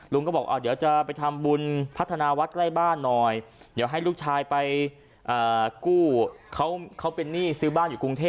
ก็บอกว่าเดี๋ยวจะไปทำบุญพัฒนาวัดใกล้บ้านหน่อยเดี๋ยวให้ลูกชายไปกู้เขาเป็นหนี้ซื้อบ้านอยู่กรุงเทพ